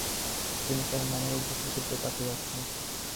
তিনি তার মনঃরোগ বিশেষজ্ঞের কাছে যাচ্ছেন।